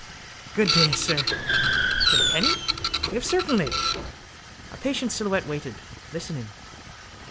Good day, sir. Kilkenny... We have certainly... A patient silhouette waited, listening.